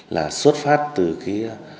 là xuất phát từ cái